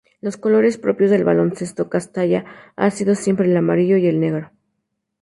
Los colores propios del Baloncesto Castalla han sido siempre el amarillo y el negro.